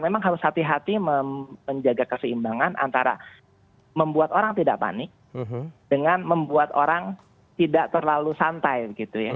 memang harus hati hati menjaga keseimbangan antara membuat orang tidak panik dengan membuat orang tidak terlalu santai gitu ya